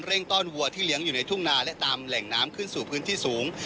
ต้อนวัวที่เลี้ยงอยู่ในทุ่งนาและตามแหล่งน้ำขึ้นสู่พื้นที่สูง